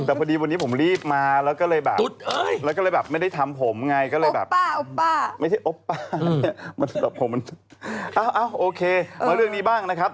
เอ้าโอเคเป็นเรื่องดีบ้างนะครับ